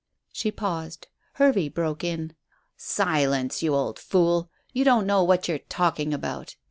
She paused. Hervey broke in "Silence, you old fool! You don't know what you're talking about.